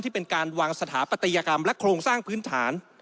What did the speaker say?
เป็นการวางสถาปัตยกรรมและโครงสร้างพื้นฐาน